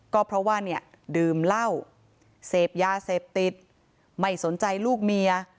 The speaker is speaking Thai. ก็เพราะว่าเนี่ยดื่มเหล้าเสพยาเสพติดไม่สนใจลูกเมีย